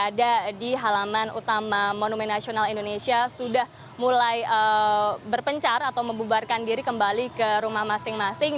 ada di halaman utama monumen nasional indonesia sudah mulai berpencar atau membubarkan diri kembali ke rumah masing masing